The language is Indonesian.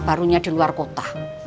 barunya di luar kota